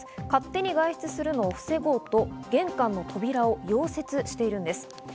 勝手に外出するのを防ごうと、玄関の扉を溶接しているんです。